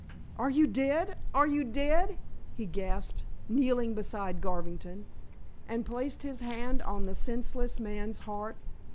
"Are you dead? are you dead?" he gasped, kneeling beside Garvington, and placed his hand on the senseless man's heart.